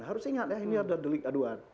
harus ingat ya ini adalah delik aduan